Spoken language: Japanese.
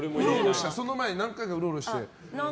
その前を何回かうろうろして。